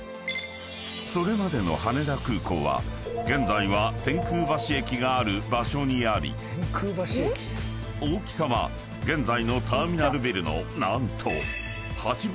［それまでの羽田空港は現在は天空橋駅がある場所にあり大きさは現在のターミナルビルの何と］